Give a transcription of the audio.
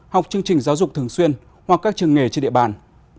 học chương trình giáo dục thường xuyên hoặc các trường nghề trên địa bàn